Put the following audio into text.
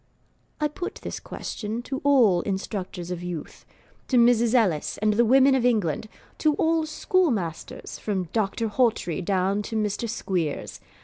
I put this question to all instructors of youth to Mrs. Ellis and the Women of England; to all schoolmasters, from Doctor Hawtrey down to Mr. Squeers.